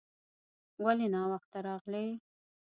ولې ناوخته راغلې ؟